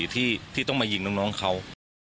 อยู่ที่ที่ต้องมายิงน้องเขา